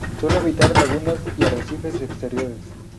Suele habitar lagunas y arrecifes exteriores.